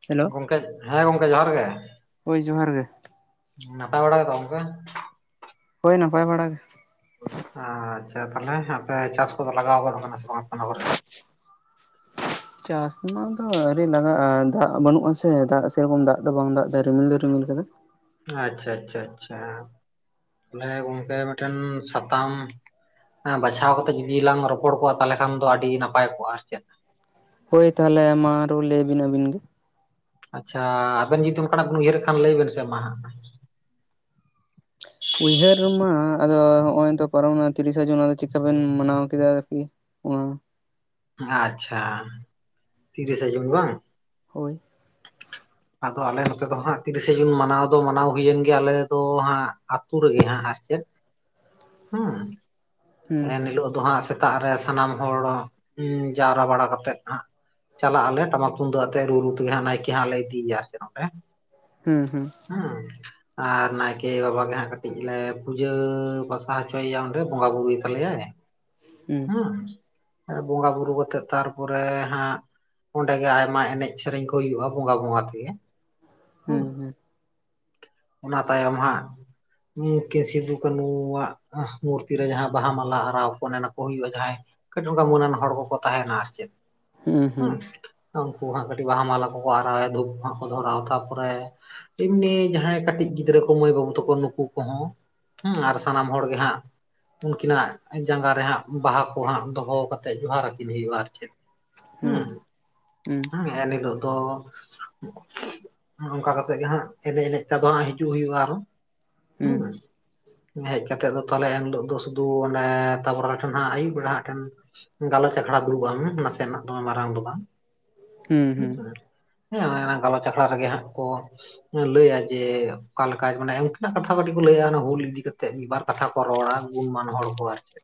ᱟ [unintelligible] ᱜᱚᱝᱠᱮ ᱦᱮᱸ ᱜᱚᱝᱠᱮ ᱡᱚᱦᱟᱨ ᱜᱮ᱾ ᱦᱳᱭ ᱡᱚᱦᱟᱨ ᱜᱮ᱾ ᱱᱟᱯᱟᱭ ᱵᱟᱲᱟᱟᱜ ᱜᱮ ᱛᱚ ᱜᱚᱝᱠᱮ᱾ ᱦᱳᱭ ᱱᱟᱯᱟᱭ ᱵᱟᱲᱟ ᱜᱮ᱾ ᱟᱪᱪᱷᱟ ᱛᱟᱦᱞᱮ ᱟᱯᱮ ᱪᱟᱥ ᱠᱚᱫᱚ ᱞᱟᱜᱟᱣ ᱜᱚᱫ ᱠᱟᱱᱟ ᱥᱮ ᱵᱟᱝ ᱟᱯᱮ ᱚᱱᱟ ᱠᱚᱨᱮ ᱫᱚ᱾ [unintelligible] ᱪᱟᱥ ᱨᱮᱱᱟᱜ ᱫᱚ ᱟᱣᱨᱤ ᱞᱟᱜᱟᱜᱼᱟ ᱫᱟᱜ ᱵᱟᱹᱱᱩᱜᱼᱟ ᱥᱮ ᱫᱟᱜ ᱥᱮᱨᱚᱠᱚᱢ ᱫᱟᱜ ᱫᱚ ᱵᱟᱝ ᱫᱟᱜ ᱮᱫᱟ ᱨᱤᱢᱤᱞ ᱫᱚ ᱨᱤᱢᱤᱞ ᱠᱟᱫᱟ᱾ ᱟᱪᱪᱷᱟ ᱟᱪᱪᱷᱟ ᱟᱪᱪᱷᱟ ᱛᱟᱦᱚᱞᱮ ᱜᱚᱝᱠᱮ ᱢᱤᱫᱴᱮᱱ ᱥᱟᱛᱟᱢ ᱦᱮ ᱵᱟᱪᱷᱟᱣ ᱠᱟᱛᱮᱜ ᱡᱩᱚᱫᱤ ᱞᱟᱝ ᱨᱚᱯᱚᱲ ᱠᱚᱜᱼᱟ ᱛᱟᱦᱚᱞᱮ ᱠᱷᱟᱱ ᱫᱚ ᱟᱹᱰᱤ ᱱᱟᱯᱟᱭ ᱠᱚᱜᱼᱟ ᱟᱨ ᱪᱮᱫ᱾ ᱦᱳᱭ ᱛᱟᱦᱚᱞᱮ ᱢᱟ ᱟᱨᱚ ᱞᱟᱹᱭᱵᱤᱱ ᱟᱹᱵᱤᱱ ᱜᱮ᱾ ᱟᱪᱪᱷᱟ ᱟᱵᱮᱱ ᱡᱩᱫᱤ ᱚᱱᱠᱟᱱᱟᱜ ᱵᱤᱱ ᱩᱭᱦᱟᱹᱨᱮᱫ ᱠᱷᱟᱱ ᱞᱟᱹᱭ ᱵᱮᱱ ᱥᱮ ᱢᱟ ᱦᱟᱸᱜ᱾ ᱩᱭᱦᱟᱹᱨ ᱢᱟ ᱟᱫᱚ ᱦᱚᱜᱚᱭ ᱛᱚ ᱯᱟᱨᱚᱢᱮᱱᱟ ᱛᱤᱨᱤᱥᱟ ᱡᱩᱱ ᱟᱫᱚ ᱪᱤᱠᱟᱹ ᱵᱮᱱ ᱢᱟᱱᱟᱣ ᱠᱮᱫᱟ ᱟᱨᱠᱤ ᱚ- ᱟᱪᱪᱷᱟ ᱛᱤᱨᱤᱥᱟ ᱡᱩᱱ ᱵᱟᱝ ᱦᱳᱭ᱾ ᱟᱫᱚ ᱟᱞᱮ ᱱᱚᱛᱮ ᱫᱚ ᱦᱟᱸᱜ ᱛᱤᱨᱤᱥᱮ ᱡᱩᱱ ᱢᱟᱱᱟᱣ ᱫᱚ ᱢᱟᱱᱟᱣ ᱦᱩᱭᱮᱱ ᱜᱮᱭᱟ ᱟᱞᱮ ᱫᱚ ᱦᱟᱸᱜ ᱟᱹᱛᱩ ᱨᱮᱜᱮ ᱦᱟᱸᱜ ᱟᱨ ᱪᱮᱫ ᱦᱩᱸ ᱦᱩᱸ ᱮᱱᱦᱤᱞᱳᱜ ᱫᱚ ᱦᱸᱟᱜ ᱥᱮᱛᱟᱜ ᱨᱮ ᱥᱟᱱᱟᱢ ᱦᱚᱲ ᱩ ᱡᱟᱣᱨᱟ ᱵᱟᱲᱟ ᱠᱟᱛᱮᱜ ᱦᱟᱸᱜ ᱪᱟᱞᱟᱜ ᱟᱞᱮ ᱴᱟᱢᱟᱠ ᱛᱩᱢ ᱫᱟᱜ ᱟᱛᱮ ᱨᱩ ᱨᱩ ᱛᱮᱜᱮ ᱦᱟᱸᱜ ᱱᱟᱭᱠᱮ ᱦᱟᱸᱜ ᱞᱮ ᱤᱫᱤᱭᱮᱭᱟ ᱥᱮ ᱱᱚᱸᱰᱮ᱾ ᱦᱩ ᱦᱩ᱾ ᱦᱩᱸ᱾ ᱟᱨ ᱱᱟᱭᱠᱮ ᱵᱟᱵᱟ ᱜᱮ ᱦᱟᱸᱜ ᱠᱟᱹᱴᱤᱡ ᱞᱮ ᱯᱩᱡᱟᱹ ᱯᱟᱥᱟ ᱦᱚᱪᱚᱭᱮᱭᱟ ᱚᱸᱰᱮ ᱵᱚᱸᱜᱟ ᱵᱩᱨᱩᱭ ᱛᱟᱞᱮᱟᱭ ᱦᱮᱸ ᱵᱚᱸᱜᱟ ᱵᱩᱨᱩ ᱠᱟᱛᱮᱜ ᱛᱟᱨᱯᱚᱨᱮ ᱦᱟᱸᱜ ᱚᱸᱰᱮ ᱜᱮ ᱟᱭᱢᱟ ᱮᱱᱮᱡ ᱥᱮᱨᱮᱧ ᱠᱚ ᱦᱩᱭᱩᱜᱼᱟ ᱵᱚᱸᱜᱟ ᱵᱚᱸᱜᱟ ᱛᱮᱜᱮ ᱦᱮᱸ᱾ ᱦᱩᱸ ᱦᱩᱸ ᱚᱱᱟ ᱛᱟᱭᱚᱢ ᱦᱟᱸᱜ ᱜᱚᱢᱠᱮ ᱥᱤᱫᱩ ᱠᱟᱹᱱᱩᱣᱟᱜ ᱢᱩᱨᱛᱤ ᱨᱮ ᱡᱟᱦᱟᱸ ᱵᱟᱦᱟ ᱢᱟᱞᱟ ᱟᱨᱟᱣ ᱠᱚ ᱚᱱᱮ ᱟᱱᱟ ᱠᱚ ᱦᱩᱭᱩᱜᱼᱟ ᱡᱟᱦᱟᱸᱭ ᱠᱟᱹᱴᱤᱡ ᱚᱱᱠᱟ ᱢᱟᱹᱱ ᱟᱱ ᱦᱚᱲ ᱠᱚᱠᱚ ᱛᱟᱦᱮᱱᱟ ᱟᱨ ᱪᱮᱫ ᱦᱩᱸ ᱩᱱᱠᱩ ᱦᱟᱸᱜ ᱠᱟᱹᱴᱤᱡ ᱵᱟᱦᱟ ᱢᱟᱞᱟ ᱠᱚᱠᱚ ᱟᱨᱟᱣᱭᱟ ᱫᱷᱩᱯ ᱦᱟᱸᱜ ᱠᱚ ᱫᱷᱚᱨᱟᱣᱟ ᱛᱟᱯᱚᱨᱮ ᱮᱢᱱᱤ ᱡᱟᱦᱟᱸᱭ ᱠᱟᱹᱴᱤᱡ ᱜᱤᱫᱽᱨᱟᱹ ᱠᱚ ᱢᱟᱹᱭ ᱵᱟᱹᱵᱩ ᱛᱟᱠᱚ ᱱᱩᱠᱩ ᱠᱚᱦᱚᱸ ᱦᱮᱸ ᱟᱨ ᱥᱟᱱᱟᱢ ᱦᱚᱲ ᱜᱮ ᱦᱟᱸᱜ ᱩᱱᱠᱤᱱᱟᱜ ᱡᱟᱸᱜᱟ ᱨᱮ ᱦᱟᱸᱜ ᱵᱟᱦᱟ ᱠᱚ ᱦᱟᱸᱜ ᱫᱚᱦᱚ ᱠᱟᱛᱮᱫ ᱡᱚᱦᱟᱨ ᱟᱹᱠᱤᱱ ᱦᱩᱭᱩᱜᱼᱟ ᱟᱨ ᱪᱮᱫ ᱦᱩᱸ ᱦᱮᱸ ᱮᱱ ᱦᱤᱞᱚᱜ ᱫᱚ ᱚᱱᱠᱟ ᱠᱟᱛᱮᱜ ᱜᱮ ᱦᱟᱸᱜ ᱮᱱᱮᱡ ᱮᱱᱮᱡ ᱛᱮ ᱟᱫᱚ ᱦᱟᱸᱜ ᱦᱤᱡᱩᱜ ᱦᱩᱭᱩᱜᱼᱟ ᱟᱨᱦᱚ ᱦᱩᱸ ᱦᱮᱡ ᱠᱟᱛᱮᱜ ᱫᱚ ᱛᱟᱦᱚᱞᱮ ᱮᱱᱦᱤᱞᱳ ᱫᱚ ᱥᱩᱫᱩ ᱚᱱᱮ ᱛᱟᱯᱚᱨᱮ ᱢᱮᱫᱴᱮᱱ ᱦᱟᱸᱜ ᱟᱭᱩᱵ ᱵᱮᱲᱟ ᱦᱟᱸᱜ ᱴᱷᱮᱱ ᱜᱟᱞᱚᱪ ᱟᱠᱷᱲᱟ ᱫᱩᱲᱩᱵᱟ ᱱᱟᱥᱮᱱᱟᱜ ᱫᱚᱢᱮ ᱢᱟᱨᱟᱝ ᱫᱚ ᱵᱟᱝ ᱦᱩᱸ ᱦᱩᱸ ᱦᱩᱸ ᱦᱮᱸᱥᱮ ᱦᱮᱸ ᱚᱱᱟ ᱜᱟᱞᱚᱪ ᱟᱠᱷᱲᱟ ᱨᱮᱜᱮ ᱦᱟᱸᱜ ᱠᱚ ᱞᱟᱹᱭᱟ ᱡᱮ ᱚᱠᱟ ᱞᱮᱠᱟ ᱢᱟᱱᱮ ᱩᱱᱠᱤᱱᱟᱜ ᱠᱟᱛᱷᱟ ᱠᱟᱹᱴᱤᱡ ᱠᱚ ᱞᱟᱹᱭᱟ ᱚᱱᱟ ᱦᱩᱞ ᱤᱫᱤ ᱠᱟᱛᱮᱫ ᱢᱤᱫ ᱵᱟᱨ ᱠᱟᱛᱷᱟ ᱠᱚ ᱜᱩᱱ ᱢᱟᱱ ᱦᱚᱲ ᱠᱚ ᱟᱨ ᱪᱮᱫ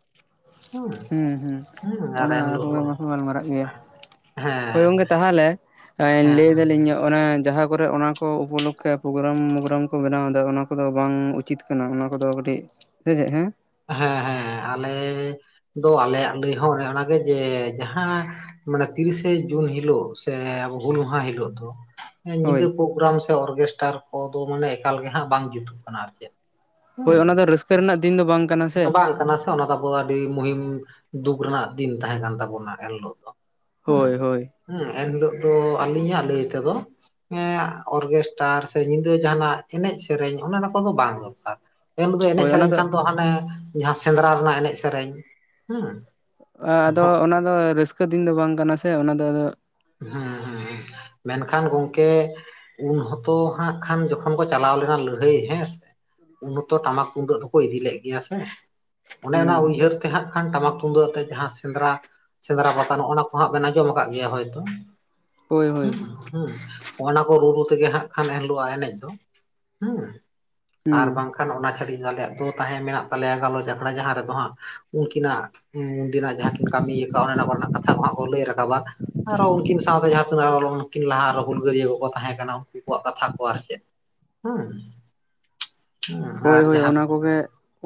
ᱦᱩᱸ ᱦᱩᱸ ᱦᱩᱸ ᱟᱨ ᱚᱱᱟ ᱮᱱᱦᱤᱞᱳᱜ ᱫᱚ [unintelligible] ᱜᱟᱞᱢᱟᱨᱟᱜ ᱜᱮᱭᱟ ᱦᱳᱭ ᱦᱮᱸ ᱜᱚᱝᱠᱮ ᱛᱟᱦᱚᱞᱮ ᱦᱮᱸ ᱞᱟᱹᱭ ᱫᱟᱹᱞᱤᱧ ᱧᱚᱜ ᱚᱱᱮ ᱡᱟᱦᱟᱸ ᱠᱚᱨᱮ ᱚᱱᱟ ᱠᱚ ᱩᱯᱚᱞᱚᱠᱠᱷᱮ ᱯᱨᱳᱜᱨᱟᱢ ᱢᱳᱜᱨᱟᱢ ᱠᱚ ᱵᱮᱱᱟᱣ ᱮᱫᱟ ᱚᱱᱟ ᱠᱚᱫᱚ ᱵᱟᱝ ᱩᱪᱤᱛ ᱠᱟᱱᱟ ᱚᱱᱟ ᱠᱚᱫᱚ ᱠᱟᱹᱴᱤᱡ ᱥᱮᱪᱮᱫ ᱦᱮᱸ ᱦᱮᱸ ᱦᱮᱸ ᱟᱞᱮ ᱫᱚ ᱟᱞᱮᱭᱟᱜ ᱞᱟᱹᱭ ᱦᱚᱸ ᱚᱱᱮ ᱚᱱᱟᱜᱮ ᱡᱮ ᱡᱟᱦᱟᱸ ᱢᱟᱱᱮ ᱛᱤᱨᱤᱥᱮ ᱡᱩᱱ ᱦᱤᱞᱳᱜ ᱥᱮ ᱦᱩᱞ ᱢᱟᱦᱟ ᱦᱤᱞᱳᱜ ᱫᱚ ᱦᱳᱭ ᱧᱤᱫᱟᱹ ᱯᱨᱳᱜᱨᱟᱢ ᱥᱮ ᱚᱨᱜᱮᱥᱴᱟᱨ ᱠᱚᱫᱚ ᱢᱟᱱᱮ ᱮᱠᱟᱞ ᱜᱮ ᱦᱟᱸᱜ ᱵᱟᱝ ᱡᱩᱛᱩᱜ ᱠᱟᱱᱟ ᱟᱨ ᱪᱮᱫ ᱦᱳᱭ ᱚᱱᱟ ᱦᱩᱸ ᱫᱚ ᱨᱟᱹᱥᱠᱟᱹ ᱨᱮᱱᱟᱜ ᱫᱤᱱ ᱫᱚ ᱵᱟᱝ ᱠᱟᱱᱟ ᱥᱮ ᱵᱟᱝ ᱠᱟᱱᱟ ᱥᱮ ᱚᱱᱟ ᱫᱚ ᱟᱵᱚ ᱟᱹᱰᱤ ᱢᱩᱦᱤᱢ ᱫᱩᱠ ᱨᱮᱱᱟᱜ ᱫᱤᱱ ᱛᱟᱦᱮᱸ ᱠᱟᱱ ᱛᱟᱵᱚᱱᱟ ᱮᱱᱦᱤᱞᱳᱜ ᱫᱚ ᱦᱮᱸ ᱦᱳᱭ ᱦᱳᱭ ᱦᱮᱸ ᱮᱱᱦᱤᱞᱳᱜ ᱫᱚ ᱟᱹᱞᱤᱧᱟᱜ ᱞᱟᱹᱭ ᱛᱮᱫᱚ ᱚᱨᱜᱮᱥᱴᱟᱨ ᱥᱮ ᱧᱤᱫᱟᱹ ᱡᱟᱦᱟᱱᱟᱜ ᱮᱱᱮᱡ ᱥᱮᱨᱮᱧ ᱚᱱᱮ ᱚᱱᱟ ᱠᱚᱫᱚ ᱵᱟᱝ ᱫᱚᱨᱠᱟᱨ ᱮᱱ ᱦᱤᱞᱚᱜ ᱫᱚ ᱮᱱᱮᱡ ᱦᱳᱭ ᱚᱱᱟ ᱥᱮᱨᱮᱧ ᱠᱷᱟᱱ ᱫᱚ ᱦᱟᱱᱮ ᱡᱟᱦᱟᱸ ᱥᱮᱸᱫᱽᱨᱟ ᱨᱮᱱᱟᱜ ᱮᱱᱮᱡ ᱥᱮᱨᱮᱧ ᱦᱮᱸ ᱟᱫᱚ ᱦᱮᱸ ᱚᱱᱟ ᱫᱚ ᱨᱟᱹᱥᱠᱟᱹ ᱫᱤᱱ ᱫᱚ ᱵᱟᱝ ᱠᱟᱱᱟ ᱥᱮ ᱚᱱᱟ ᱫᱚ ᱟᱫᱚ ᱦᱩᱸ ᱦᱩᱸ ᱢᱮᱱᱠᱷᱟᱱ ᱜᱚᱝᱠᱮ ᱩᱱ ᱦᱚᱸᱛᱚ ᱦᱟᱸᱜ ᱠᱷᱟᱱ ᱡᱚᱠᱷᱚᱱ ᱠᱚ ᱪᱟᱞᱟᱣ ᱞᱮᱱᱟ ᱞᱟᱹᱲᱦᱟᱹᱭ ᱦᱮᱸ ᱥᱮ ᱩᱱ ᱦᱚᱛᱚ ᱴᱟᱢᱟᱠ ᱛᱩᱢᱫᱟᱹᱜ ᱫᱚᱠᱚ ᱤᱫᱤ ᱞᱮᱫ ᱜᱮᱭᱟ ᱥᱮ ᱚᱱᱮ ᱦᱩᱸ ᱚᱱᱟ ᱩᱭᱦᱟᱹᱨ ᱛᱮ ᱦᱟᱸᱜ ᱠᱷᱟᱱ ᱴᱟᱢᱟᱠ ᱛᱩᱢᱫᱟᱹᱜ ᱟᱛᱮᱜ ᱡᱟᱦᱟᱸ ᱥᱮᱸᱫᱽᱨᱟ ᱥᱮᱸᱫᱽᱨᱟ ᱯᱟᱛᱟ ᱱᱚᱜᱼᱚᱱᱟ ᱠᱚᱦᱟᱸᱜ ᱵᱮᱱ ᱟᱸᱡᱚᱢ ᱠᱟᱫ ᱜᱮᱭᱟ ᱦᱳᱭᱛᱳ ᱦᱳᱭ ᱦᱳᱭ ᱦᱩᱸ ᱦᱩᱸ ᱚᱱᱟ ᱠᱚ ᱨᱩ ᱨᱩ ᱛᱮᱜᱮ ᱦᱟᱸᱜ ᱠᱷᱟᱱ ᱮᱱ ᱦᱤᱞᱳᱜ ᱟᱜ ᱮᱱᱮᱡ ᱫᱚ ᱦᱩᱸ ᱦᱩᱸ ᱟᱨ ᱵᱟᱝ ᱠᱷᱟᱱ ᱚᱱᱟ ᱪᱷᱟᱲᱤᱡ ᱫᱚ ᱟᱞᱮᱭᱟᱜ ᱫᱚ ᱛᱟᱦᱮᱸ ᱢᱮᱱᱟᱜ ᱛᱟᱞᱮᱭᱟ ᱜᱟᱞᱚᱪ ᱟᱠᱷᱲᱟ ᱡᱟᱦᱟᱸ ᱨᱮᱫᱚ ᱦᱟᱸᱜ ᱩᱱᱠᱤᱱᱟᱜ ᱩᱱᱫᱤᱱᱟᱜ ᱡᱟᱦᱟᱸ ᱠᱤᱱ ᱠᱟᱹᱢᱤᱭᱟᱠᱟᱜ ᱚᱱᱮ ᱚᱱᱟ ᱠᱚᱨᱮᱱᱟᱜ ᱠᱟᱛᱷᱟ ᱠᱚ ᱦᱟᱜ ᱠᱚ ᱞᱟᱹᱭ ᱨᱟᱠᱟᱵᱟ ᱟᱨᱚ ᱩᱱᱠᱤᱱ ᱥᱟᱶᱛᱮ ᱡᱟᱦᱟᱸ [unintelligible] ᱩᱱᱠᱤᱱ ᱞᱟᱦᱟ ᱟᱨᱦᱚ ᱦᱩᱞ ᱜᱟᱹᱨᱭᱟᱹ ᱠᱚᱠᱚ ᱛᱟᱦᱮᱸ ᱠᱟᱱᱟ ᱩᱱᱠᱩ ᱠᱚᱣᱟᱜ ᱠᱟᱛᱷᱟ ᱠᱚ ᱟᱨ ᱪᱮᱫ ᱦᱩᱸ ᱦᱩᱸ ᱦᱳᱭ ᱟᱨ ᱦᱳᱭ ᱡᱟᱦᱟᱸ ᱚᱱᱟ ᱠᱚᱜᱮ